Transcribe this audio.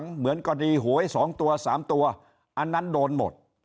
เหมือนคดีหวย๒ตัว๓ตัวอันนั้นโดนหมด